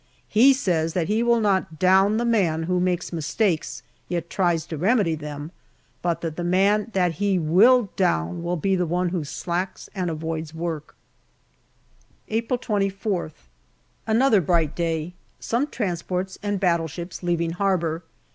He says that he will not " down " the man who makes mistakes yet tries to remedy them, but that the man that he will " down " will be the one who slacks and avoids work April 24th. Another bright day. Some transports and battleships leaving harbour.